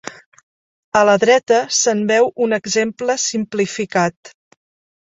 A la dreta se'n veu un exemple simplificat.